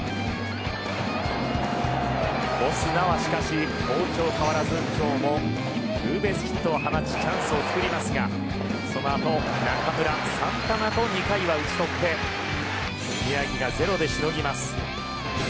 オスナはしかし好調変わらず今日もツーベースヒットを放ちチャンスをつくりますがそのあと中村、サンタナと２回は打ち取って宮城がゼロでしのぎます。